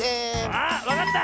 あっわかった！